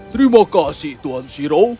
terima kasih tuan siro